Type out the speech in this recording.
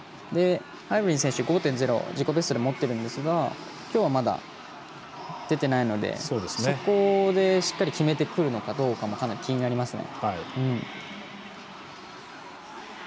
ハイブリン選手、５．０自己ベストで持っているんですが今日はまだ出ていないのでそこでしっかり決めてくるのかかなり気になりますね。